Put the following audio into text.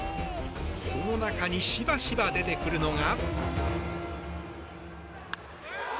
その中にしばしば出てくるのが。